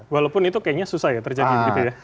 walaupun itu kayaknya susah ya terjadi gitu ya